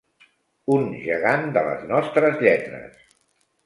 Un gegant de les nostres lletres.